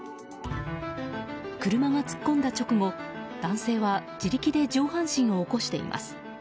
車が突っ込んだ直後男性は自力で上半身を起こしています。